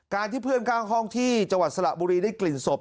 ที่เพื่อนข้างห้องที่จังหวัดสระบุรีได้กลิ่นศพ